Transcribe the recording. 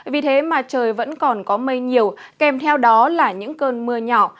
vì thế mà trời vẫn còn có mây nhiều kèm theo đó là những cơn mưa nhỏ